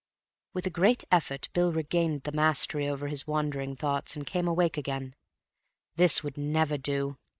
With a great effort Bill regained the mastery over his wandering thoughts and came awake again. This would never do.